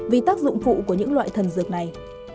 vì tác dụng phụ của những loại thần dược này